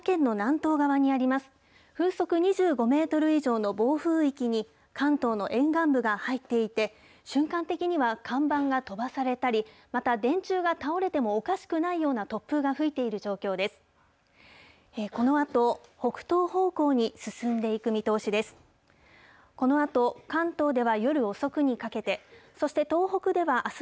このあと北東方向に進んでいく見通しです。